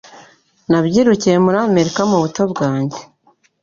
Nabyirukiye muri Amerika mubuto bwanjye